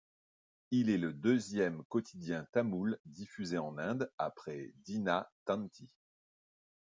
Il est le deuxième quotidien tamoul diffusé en Inde après Dina Thanthi.